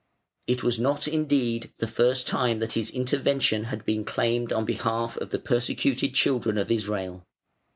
It was not, indeed, the first time that his intervention had been claimed on behalf of the persecuted children of Israel.